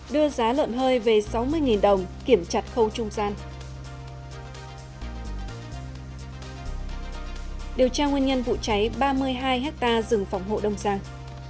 điều tra nguyên nhân vụ cháy ba mươi hai hectare rừng phòng hộ đông giang